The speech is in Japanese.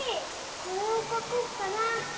これをかこっかな。